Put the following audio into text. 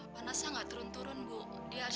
bang bang bener ya bang